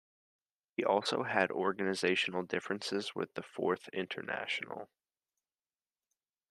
He also had organizational differences with the Fourth International.